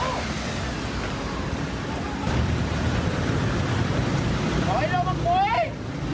เอาไว้เร็วมาคุย